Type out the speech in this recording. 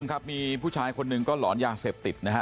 ครับมีผู้ชายคนหนึ่งก็หลอนยาเสพติดนะฮะ